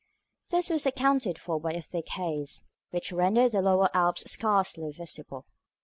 This was accounted for by a thick haze, which rendered the lower Alps scarcely visible.